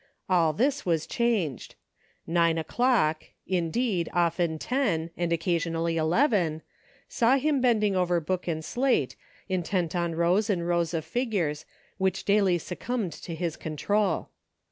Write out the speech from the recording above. All this was changed. Nine o'clock, indeed often ten, and occasionally eleven, saw him bending over book and slate, intent on rows and rows of figures, which daily succumbed to his control.